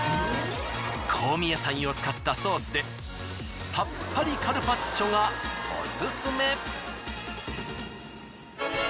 香味野菜を使ったソースでさっぱりカルパッチョがオススメ。